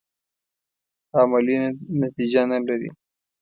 عملي نتیجه نه لري.